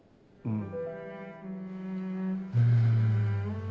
うん。